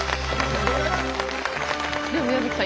宮崎さん